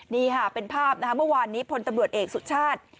นี่ค่ะเป็นภาพเมื่อวานนี้พลตำรวจเอกสุชาติ